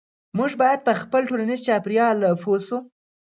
موږ باید په خپل ټولنیز چاپیریال پوه سو.